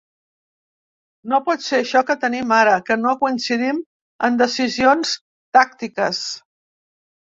No pot ser això que tenim ara, que no coincidim en decisions tàctiques.